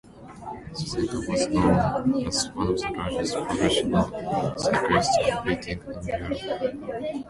Sosenka was known as one of the largest professional cyclists competing in Europe.